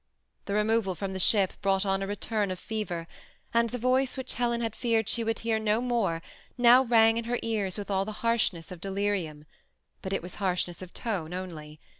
The removal from the ship brought on a return of fever, and the voice which Helen had feared she would hear no more, now rang in her ears with all the harshness of delirium ; but it was harshness of tone only.